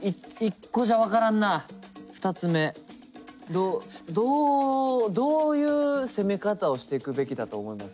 どうどうどういう攻め方をしていくべきだと思います？